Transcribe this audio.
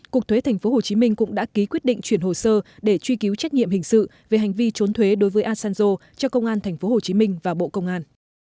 cục thuế tp hcm cũng đã ký quyết định chuyển hồ sơ để truy cứu trách nhiệm hình sự về hành vi trốn thuế đối với asanzo cho công an tp hcm và bộ công an